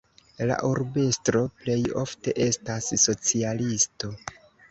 La urbestro plej ofte estas socialisto.